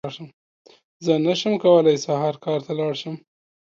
زه نشم کولی سهار کار ته لاړ شم!